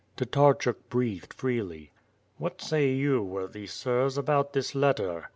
Tatarehuk breathed freely. "What say you, worthy sirs, about this letter?"